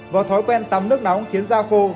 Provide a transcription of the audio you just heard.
và thói quen tắm nước nóng khiến da khô